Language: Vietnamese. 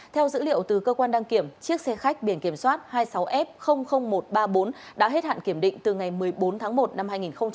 theo dữ liệu từ cơ quan đăng kiểm chiếc xe khách biển kiểm soát hai mươi sáu f một trăm ba mươi bốn đã hết hạn kiểm định từ ngày một mươi bốn tháng một năm hai nghìn hai mươi